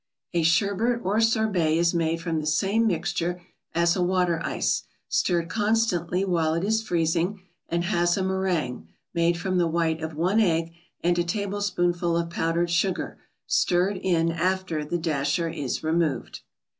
A sherbet or sorbet is made from the same mixture as a water ice, stirred constantly while it is freezing, and has a meringue, made from the white of one egg and a tablespoonful of powdered sugar, stirred in after the dasher is removed.